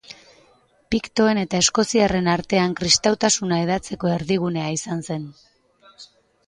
Piktoen eta eskoziarren artean kristautasuna hedatzeko erdigunea izan zen.